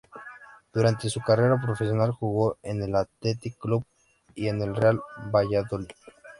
Durante su carrera profesional jugó en el Athletic Club y en el Real Valladolid.